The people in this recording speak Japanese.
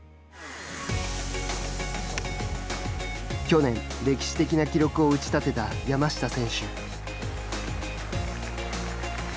去年、歴史的な記録を打ち立てた山下選手。